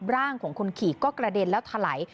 ร่างของคนขี่ก็กระเด็นแล้วถลาย